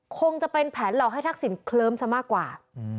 คงจะเป็นแผนหลอกให้ทักษิณเคลิ้มซะมากกว่า